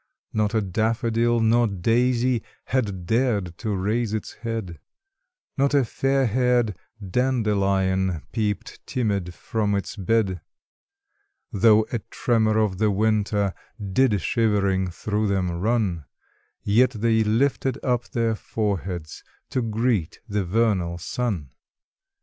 Not a daffodil nor daisy Had dared to raise its head; Not a fairhaired dandelion Peeped timid from its bed; THE CROCUSES. 5 Though a tremor of the winter Did shivering through them run; Yet they lifted up their foreheads To greet the vernal sun.